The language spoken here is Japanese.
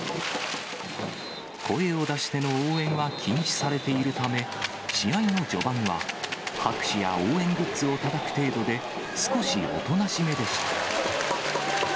声を出しての応援は禁止されているため、試合の序盤は、拍手や応援グッズをたたく程度で、少しおとなしめでした。